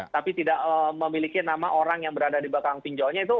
tapi tidak memiliki nama orang yang berada di belakang pinjolnya itu